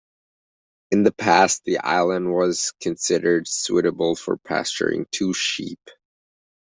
In the past the island was considered suitable for pasturing two sheep.